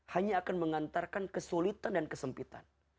hanya akan mengantarkan kesulitan dan kesempitan